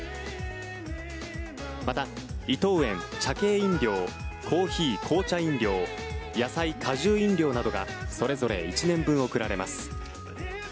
また、伊藤園茶系飲料、コーヒー・紅茶飲料野菜・果汁飲料などがそれぞれ１年分贈られます。